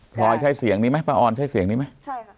พลอยใช่เสียงนี้ไหมป้าออนใช่เสียงนี้ไหม